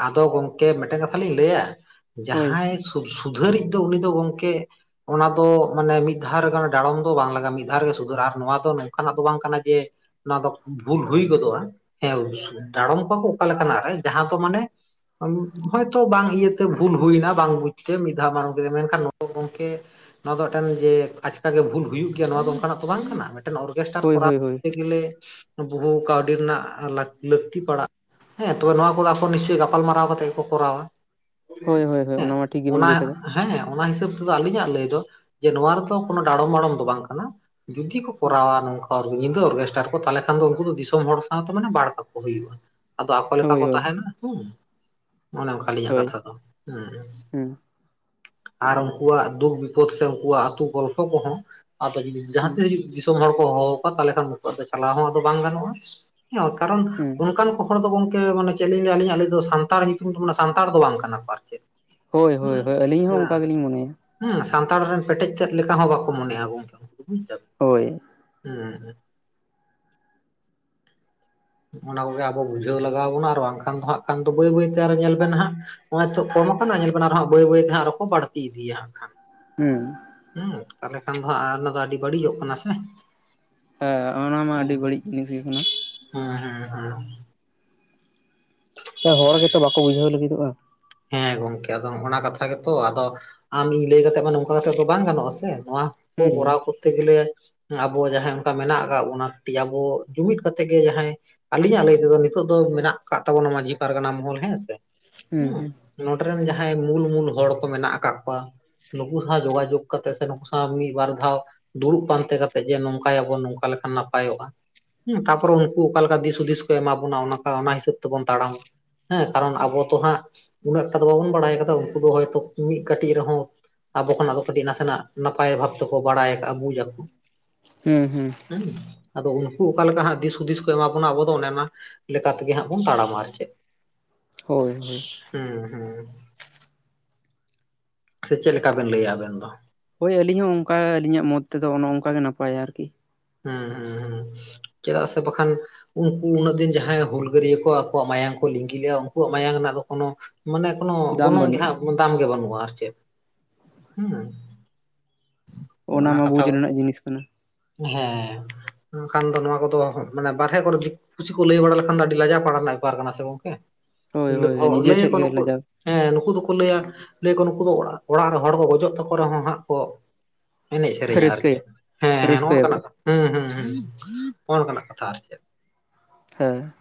ᱟᱫᱚ ᱜᱚᱢᱠᱮ ᱢᱤᱫᱴᱮᱱ ᱠᱟᱛᱷᱟ ᱞᱤᱧ ᱞᱟᱹᱭᱟ ᱦᱳᱭ ᱡᱟᱦᱟᱸᱭ ᱥᱩᱨ ᱥᱩᱫᱷᱟᱹᱨᱤᱡ ᱫᱚ ᱩᱱᱤ ᱫᱚ ᱜᱚᱢᱠᱮ ᱚᱱᱟ ᱫᱚ ᱢᱟᱱᱮ ᱢᱤᱫ ᱫᱷᱟᱣ ᱨᱮᱜᱮ ᱰᱟᱲᱚᱢ ᱫᱚ ᱵᱟᱝ ᱞᱟᱜᱟᱜᱼᱟ ᱢᱤᱫ ᱫᱷᱟᱣ ᱨᱮᱜᱮ ᱥᱩᱫᱷᱟᱹᱨᱟ ᱟᱨ ᱱᱚᱣᱟ ᱫᱚ ᱱᱚᱝᱠᱟᱱᱟᱜ ᱫᱚ ᱵᱟᱝ ᱠᱟᱱᱟ ᱡᱮ ᱚᱱᱟ ᱫᱚ ᱵᱷᱩᱞ ᱦᱩᱭ ᱜᱚᱫᱚᱜᱼᱟ ᱦᱮᱸ ᱫᱟᱲᱚᱢ ᱠᱚᱣᱟ ᱠᱚ ᱚᱠᱟ ᱞᱮᱠᱟᱱᱟᱜ ᱨᱮ ᱡᱟᱦᱟᱸ ᱫᱚ ᱢᱟᱱᱮ ᱦᱚᱭᱛᱚ ᱵᱟᱝ ᱤᱭᱟᱹ ᱛᱮ ᱵᱷᱩᱞ ᱦᱩᱭᱱᱟ ᱵᱟᱝ ᱵᱩᱡᱽ ᱛᱮ ᱢᱤᱫ ᱫᱷᱟᱣ [inaudible] ᱠᱮᱫ ᱢᱮᱱᱠᱷᱟᱱ ᱜᱚᱝᱠᱮ ᱱᱚᱣᱟ ᱫᱚ ᱢᱤᱫᱴᱮᱱ ᱡᱮ ᱟᱪᱠᱟ ᱜᱮ ᱵᱷᱩᱞ ᱦᱩᱭᱩᱜ ᱜᱮᱭᱟ ᱱᱚᱣᱟ ᱫᱚ ᱚᱱᱠᱟᱱᱟᱜ ᱛᱚ ᱵᱟᱝ ᱠᱟᱱᱟ ᱢᱤᱫᱴᱮᱱ ᱚᱨᱠᱮᱥᱴᱟᱨ ᱦᱳᱭ ᱠᱚᱨᱟᱣ ᱦᱳᱭ ᱦᱳᱭ ᱠᱚᱛᱮ ᱜᱮᱞᱮ ᱵᱚᱦᱩ ᱠᱟᱹᱣᱰᱤ ᱨᱮᱱᱟᱜ ᱞᱟᱠ ᱞᱟᱹᱠᱛᱤ [inaudible] ᱯᱟᱲᱟᱜ ᱦᱮᱸ ᱛᱚᱵᱮ ᱱᱚᱶᱟ ᱠᱚᱫᱚ ᱟᱠᱚ ᱱᱤᱥᱪᱚᱭ ᱜᱟᱯᱟᱞᱢᱟᱨᱟᱣ ᱠᱟᱛᱮ ᱜᱮᱠᱚ ᱠᱚᱨᱟᱣᱟ ᱦᱮᱸ ᱦᱳᱭ ᱦᱳᱭ ᱦᱳᱭ ᱚᱱᱟ ᱢᱟ ᱴᱷᱤᱠ ᱜᱮᱵᱤᱱ ᱚᱱᱟ ᱞᱟᱹᱭ ᱠᱟᱫᱟ᱾ ᱦᱮᱸ ᱚᱱᱟ ᱦᱤᱥᱟᱹᱵ ᱛᱮᱫᱚ ᱟᱹᱞᱤᱧᱟᱜ ᱞᱟᱹᱭ ᱫᱚ ᱡᱮ ᱱᱚᱣᱟ ᱨᱮᱫᱚ ᱠᱳᱱᱳ ᱰᱟᱲᱚᱢ ᱢᱟᱲᱚᱢ ᱫᱚ ᱵᱟᱝ ᱠᱟᱱᱟ ᱡᱩᱫᱤ ᱠᱚ ᱠᱚᱨᱟᱣᱟ ᱱᱚᱝᱠᱟ ᱚᱨᱜᱮ ᱧᱤᱫᱟᱹ ᱚᱨᱜᱮᱥᱴᱟᱨ ᱠᱚ ᱛᱟᱦᱞᱮ ᱠᱷᱟᱱ ᱫᱚ ᱩᱱᱠᱩ ᱫᱚ ᱫᱤᱥᱚᱢ ᱦᱚᱲ ᱥᱟᱶᱛᱮ ᱢᱟᱱᱮ ᱵᱟᱲ ᱠᱟᱠᱚ ᱠᱚ ᱦᱩᱭᱩᱜᱼᱟ ᱟᱫᱚ ᱟᱠᱚ ᱞᱮᱠᱟ ᱦᱳᱭ ᱠᱚ ᱦᱳᱭ ᱛᱟᱦᱮᱱᱟ ᱦᱩᱸ ᱚᱱᱮ ᱚᱸᱠᱟ ᱟᱹᱞᱤᱧᱟᱜ ᱦᱳᱭ᱾ ᱠᱟᱛᱷᱟ ᱫᱚ ᱦᱮᱸ ᱦᱩᱸ ᱟᱨ ᱩᱱᱠᱩᱣᱟᱜ ᱫᱩᱠ ᱵᱤᱯᱚᱫ ᱥᱮ ᱩᱱᱠᱩᱣᱟᱜ ᱟᱹᱛᱩ ᱜᱚᱞᱯᱷᱚ ᱠᱚᱦᱚᱸ ᱟᱫᱚ ᱡᱟᱦᱟᱸ ᱛᱮ ᱦᱩᱭᱩᱜ ᱫᱤᱥᱚᱢ ᱦᱚᱲ ᱠᱚ ᱦᱚᱦᱚᱣ ᱠᱚᱣᱟ ᱛᱟᱦᱚᱞᱮ ᱠᱷᱟᱱ ᱱᱩᱠᱩᱣᱟᱜ ᱫᱚ ᱪᱟᱞᱟᱣ ᱦᱚᱸ ᱟᱫᱚ ᱵᱟᱝ ᱜᱟᱱᱚᱜᱼᱟ ᱠᱟᱨᱚᱱ ᱦᱩᱸ ᱚᱱᱠᱟᱱ ᱠᱚ ᱦᱚᱲ ᱫᱚ ᱜᱚᱝᱠᱮ ᱢᱟᱱᱮ ᱪᱮᱫ ᱞᱤᱧ ᱞᱟᱹᱭᱟᱞᱤᱧ ᱞᱟᱹᱭ ᱫᱚ ᱥᱟᱱᱛᱟᱲ ᱧᱩᱛᱩᱢ ᱫᱚ ᱢᱟᱱᱮ ᱥᱟᱱᱛᱟᱲ ᱫᱚ ᱵᱟᱝ ᱠᱟᱱᱟ ᱠᱚ ᱟᱨ ᱪᱮᱫ ᱦᱳᱭ ᱦᱳᱭ ᱦᱳᱭ ᱟᱹᱞᱤᱧ ᱦᱚᱸ ᱚᱱᱠᱟ ᱜᱮᱞᱤᱧ ᱢᱚᱱᱮᱭᱟ [unintelligible] ᱦᱮᱸ ᱥᱟᱱᱛᱟᱲ ᱨᱮᱱ ᱯᱮᱴᱮᱡ ᱛᱮᱫ ᱞᱮᱠᱟ ᱦᱚᱸ ᱵᱟᱠᱚ ᱢᱚᱱᱮᱜᱼᱟ ᱜᱚᱝᱠᱮ ᱩᱱᱠᱩ ᱵᱩᱡᱫᱟᱵᱮ ᱦᱳᱭ ᱦᱩᱸ ᱚᱱᱟ ᱠᱚᱜᱮ ᱟᱵᱚ ᱵᱩᱡᱷᱟᱹᱣ ᱞᱟᱜᱟᱣ ᱵᱚᱱᱟ ᱟᱨ ᱵᱟᱝᱠᱷᱟᱱ ᱫᱚ ᱦᱟᱜ ᱠᱷᱟᱱ ᱫᱚ ᱵᱟᱹᱭ ᱵᱟᱹᱭ ᱛᱮ ᱟᱨᱦᱚᱸ ᱧᱮᱞ ᱵᱮᱱ ᱦᱟᱸᱜ ᱱᱚᱜᱼᱚᱭ ᱛᱚ ᱠᱚᱢ ᱟᱠᱟᱱᱟ ᱧᱮᱞ ᱵᱟᱹᱲᱟ ᱨᱮᱦᱚᱸ ᱵᱟᱹᱭ ᱵᱟᱹᱭ ᱛᱮ ᱦᱟᱜᱸ ᱟᱨᱚ ᱠᱚ ᱵᱟᱹᱲᱛᱤ ᱤᱫᱤᱭᱟ ᱦᱟᱜᱠᱷᱟᱱ ᱦᱩᱸ ᱦᱩᱸ ᱛᱟᱦᱚᱞᱮ ᱠᱷᱟᱱ ᱫᱚ ᱦᱟᱜ ᱚᱱᱟ ᱫᱚ ᱟᱹᱰᱤ ᱵᱟᱹᱲᱤᱡᱚᱜ ᱠᱟᱱᱟ ᱥᱮ ᱦᱮᱸ ᱚᱱᱟ ᱢᱟ ᱟᱹᱰᱤ ᱵᱟᱹᱲᱤᱡ ᱡᱤᱱᱤᱥ ᱜᱤ ᱠᱟᱱᱟ ᱦᱩᱸ ᱦᱮᱸ ᱦᱮᱸ ᱦᱚᱲ ᱜᱮᱛᱚ ᱵᱟᱠᱚ ᱵᱩᱡᱷᱟᱹᱣ ᱞᱟᱹᱜᱤᱫᱚᱜᱼᱟ ᱦᱮᱸ ᱜᱚᱝᱠᱮ ᱟᱫᱚ ᱚᱱᱟ ᱠᱟᱛᱷᱟ ᱜᱮᱛᱚ ᱟᱫᱚ ᱟᱢ ᱤᱧ ᱞᱟᱹᱭ ᱠᱟᱛᱮ ᱢᱟ ᱱᱚᱝᱠᱟ ᱠᱟᱛᱮᱜ ᱫᱚ ᱵᱟᱝ ᱜᱟᱱᱚᱜᱼᱟ ᱥᱮ ᱱᱚᱣᱟ ᱠᱚ ᱦᱩᱸ ᱦᱩᱸ ᱠᱚᱨᱟᱣ ᱠᱚᱛᱮ ᱜᱮᱞᱮ ᱟᱵᱚ ᱡᱟᱦᱟᱸᱭ ᱚᱱᱠᱟ ᱢᱮᱱᱟᱜ ᱟᱠᱟᱜ ᱵᱚᱱᱟ ᱯᱮᱭᱟᱵᱚ ᱡᱩᱢᱤᱫ ᱠᱟᱛᱮᱜ ᱜᱮ ᱡᱟᱦᱟᱸᱭ ᱟᱞᱤᱧᱟᱜ ᱞᱟᱹᱭ ᱛᱮᱫᱚ ᱱᱤᱛᱚᱜ ᱫᱚ ᱢᱮᱱᱟᱜ ᱠᱟᱜ ᱛᱟᱵᱚᱱᱟ ᱢᱟᱹᱡᱷᱤ ᱯᱟᱨᱜᱟᱱᱟ ᱢᱚᱦᱚᱞ ᱦᱮᱸᱥᱮ ᱦᱮᱸ ᱦᱩᱸ ᱱᱚᱰᱮ ᱨᱮᱱ ᱡᱟᱦᱟᱸᱭ ᱢᱩᱞ ᱢᱩᱞ ᱦᱚᱲ ᱠᱚ ᱢᱮᱱᱟᱜ ᱟᱠᱟᱫ ᱠᱚᱣᱟ ᱱᱩᱠᱩ ᱥᱟᱶ ᱡᱳᱜᱟᱡᱳᱜᱽ ᱠᱟᱛᱮᱜ ᱥᱮ ᱱᱩᱠᱩ ᱥᱟᱶ ᱢᱤᱫ ᱵᱟᱨ ᱫᱷᱟᱣ ᱫᱩᱲᱩᱵ ᱯᱟᱱᱛᱮ ᱠᱟᱛᱮᱜ ᱡᱮ ᱱᱚᱝᱠᱟᱭᱟᱵᱚᱱ ᱱᱚᱝᱠᱟ ᱞᱮᱠᱷᱟᱱ ᱱᱟᱯᱟᱭᱚᱜᱼᱟ ᱦᱮᱸ ᱛᱟᱨᱯᱚᱨᱮ ᱩᱱᱠᱩ ᱚᱠᱟᱞᱮᱠᱟ ᱫᱤᱥ ᱦᱩᱫᱤᱥ ᱠᱚ ᱮᱢᱟ ᱵᱚᱱᱟ ᱚᱱᱟ ᱠᱟ ᱚᱱᱟ ᱦᱤᱥᱟᱹᱵ ᱛᱮᱵᱚᱱ ᱛᱟᱲᱟᱢ ᱦᱮᱸ ᱠᱟᱨᱚᱱ ᱟᱵᱚ ᱛᱚ ᱦᱟᱸᱜ ᱩᱱᱟᱹᱜ ᱴᱟ ᱫᱚ ᱵᱟᱵᱚᱱ ᱵᱟᱲᱟᱭ ᱠᱟᱫᱟ ᱩᱱᱠᱩ ᱫᱚ ᱦᱚᱭᱛᱳ ᱢᱤᱫ ᱠᱟᱹᱴᱤᱡ ᱨᱮᱦᱚᱸ ᱟᱵᱚ ᱠᱷᱚᱱᱟᱜ ᱫᱚ ᱠᱟᱹᱴᱤᱡ ᱱᱟᱥᱮᱱᱟᱜ ᱱᱟᱯᱟᱭ ᱵᱷᱟᱵ ᱛᱮᱠᱚ ᱵᱟᱲᱟᱭ ᱟᱠᱟᱜᱼᱟ ᱵᱩᱡ ᱟᱠᱚ ᱦᱩᱸ ᱦᱩᱸ ᱦᱮᱸ ᱟᱫᱚ ᱩᱱᱠᱩ ᱚᱠᱟ ᱞᱮᱠᱟ ᱦᱟᱸᱜ ᱫᱤᱥ ᱦᱩᱫᱤᱥ ᱠᱚ ᱮᱢᱟ ᱵᱚᱱᱟ ᱟᱵᱚ ᱫᱚ ᱚᱱᱮ ᱚᱱᱟ ᱞᱮᱠᱟ ᱛᱮᱜᱮ ᱦᱟᱸᱜ ᱵᱚᱱ ᱛᱟᱲᱟᱢᱟ ᱟᱨ ᱪᱮᱫ ᱦᱳᱭ ᱦᱳᱭ ᱦᱮᱸ ᱦᱮᱸ ᱥᱮ ᱪᱮᱫ ᱞᱮᱠᱟ ᱵᱮᱱ ᱞᱟᱹᱭᱟ ᱟᱵᱮᱱ ᱫᱚ ᱦᱳᱭ ᱟᱹᱞᱤᱧ ᱦᱚᱸ ᱚᱱᱠᱟ ᱟᱹᱞᱤᱧᱟᱜ ᱢᱚᱛ ᱛᱮᱫᱚ ᱚᱱᱮ ᱚᱱᱠᱟ ᱜᱮ ᱱᱟᱯᱟᱭᱟ ᱟᱨᱠᱤ ᱦᱩᱸ ᱦᱩᱸ ᱦᱩᱸ ᱪᱮᱫᱟᱜ ᱥᱮ ᱵᱟᱠᱷᱟᱱ ᱩᱱᱠᱩ ᱩᱱᱟᱹᱜ ᱫᱤᱱ ᱡᱟᱦᱟᱸᱭ ᱦᱩᱞᱜᱟᱹᱨᱭᱟᱹ ᱠᱚ ᱟᱠᱚᱣᱟᱜ ᱢᱟᱭᱟᱢ ᱠᱚ ᱞᱤᱸᱜᱤ ᱞᱮᱼᱟ ᱩᱱᱠᱩᱣᱟᱜ ᱢᱟᱭᱟᱢ ᱨᱮᱱᱟᱜ ᱫᱚ ᱠᱳᱱᱳ ᱢᱟᱱᱮ ᱠᱳᱱᱳ ᱫᱟᱢ ᱜᱚᱱᱚᱝ ᱜᱮ ᱵᱟᱹᱱᱩᱜᱼᱟ᱾ ᱦᱟᱜ ᱫᱟᱢ ᱜᱮ ᱵᱟᱹᱱᱩᱜᱼᱟ ᱟᱨ ᱪᱮᱫ ᱦᱮᱸ ᱚᱱᱟ ᱢᱟ ᱵᱩᱡᱽ ᱨᱮᱱᱟᱜ ᱡᱤᱱᱤᱥ ᱠᱟᱱᱟ ᱦᱮᱸ ᱮᱱᱠᱷᱟᱱ ᱫᱚ ᱱᱚᱣᱟ ᱠᱚᱫᱚ ᱢᱟᱱᱮ ᱵᱟᱨᱦᱮ ᱠᱚᱨᱮ ᱠᱤᱪᱷᱩ ᱠᱚ ᱞᱟᱹᱭ ᱵᱟᱲᱟ ᱞᱮᱠᱷᱟᱱ ᱫᱚ ᱟᱹᱰᱤ ᱞᱟᱡᱟ ᱯᱟᱲᱟ ᱨᱮᱱᱟᱜ ᱵᱮᱯᱟᱨ ᱠᱟᱱᱟ ᱥᱮ ᱜᱚᱝᱠᱮ ᱦᱳᱭ ᱦᱳᱭ ᱦᱚᱲ ᱱᱤᱡᱮ ᱞᱟᱹᱭ ᱴᱷᱮᱡ ᱟᱠᱚ ᱜᱮ ᱱᱩᱠᱩ ᱞᱟᱡᱟᱣ ᱦᱮᱸ ᱱᱩᱠᱩ ᱫᱚᱠᱚ ᱞᱟᱹᱭᱟ ᱞᱟᱹᱭ ᱟᱠᱚ ᱱᱩᱠᱩ ᱫᱚ ᱚᱲᱟᱜ ᱨᱮ ᱦᱚᱲ ᱠᱚ ᱜᱚᱡᱚᱜ ᱛᱟᱠᱚ ᱨᱮᱦᱚᱸ ᱦᱟᱸᱜ ᱠᱚ ᱮᱱᱮᱡ ᱥᱮᱨᱮᱧᱟ ᱟᱨ ᱨᱟᱹᱥᱠᱟᱹᱭᱟ ᱪᱮᱫ ᱦᱮᱸ ᱦᱮᱸ ᱱᱚᱜᱼᱚ ᱨᱟᱹᱥᱠᱟᱹᱭᱟᱠᱚ ᱱᱚᱝᱠᱟᱱᱟᱜ ᱦᱩᱸ ᱦᱩᱸ ᱦᱩᱸ ᱱᱚᱜᱼᱚ ᱱᱚᱝᱠᱟᱱᱟᱜ ᱠᱟᱛᱷᱟ ᱟᱨ ᱪᱮᱫ ᱦᱮᱸ